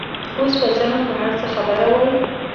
اوس به زه هم په هر څه خبره وای.